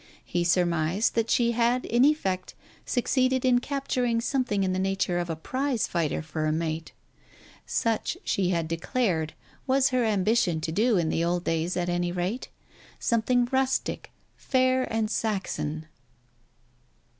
He surmised that she had in effect succeeded in capturing something in the nature of a prize fighter for a mate. Such, she had declared, was her ambition to do in the old days at any rate, some thing rustic, fair and Saxon.